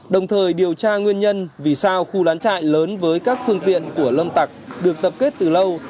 đồng thời điều tra nguyên nhân vì sao khu lán trại lớn với các phương tiện của lâm tặc được tập kết từ lâu